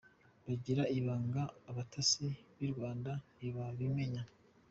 Babigira ibanga abatasi b’i Rwanda ntibabimenya.